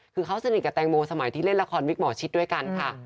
คือเขาสนิทกับแตงโมสมัยที่เล่นละครวิกหมอชิดด้วยกันค่ะ